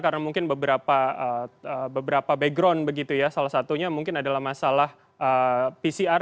karena mungkin beberapa background salah satunya mungkin adalah masalah pcr